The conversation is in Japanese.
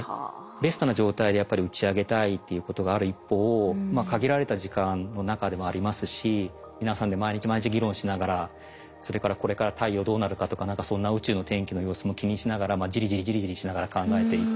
ベストな状態でやっぱり打ち上げたいっていうことがある一方限られた時間の中でもありますし皆さんで毎日毎日議論しながらそれからこれから太陽どうなるかとかそんな宇宙の天気の様子も気にしながらジリジリジリジリしながら考えていて。